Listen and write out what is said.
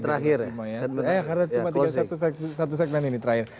karena cuma satu segmen ini terakhir